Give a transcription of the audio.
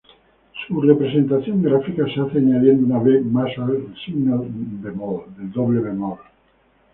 Su representación gráfica se hace añadiendo una "b" más al signo del doble bemol.